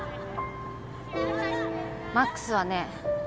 魔苦須はね